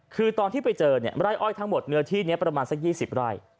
คือตอนที่ไปเจอไร่อ้อยทั้งหมดเนื้อที่นี้ประมาณสัก๒๐ไร่